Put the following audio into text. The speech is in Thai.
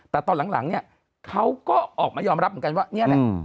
แต่ตอนหลังเนี่ยเขาก็ออกมายอมรับเหมือนกันว่านี่แหละ